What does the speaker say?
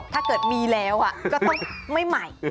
ถ้าเกิดมีแล้วก็ต้องไม่ใหม่